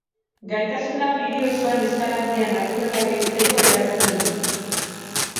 Gaitasun hau hiri osoan eskala handian lapurretak egiteko erabiltzen du.